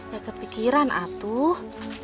gak kepikiran atuh